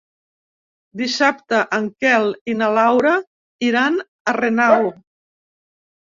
Dissabte en Quel i na Laura iran a Renau.